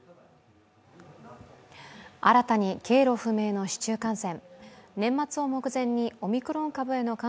新たに経路不明の市中感染。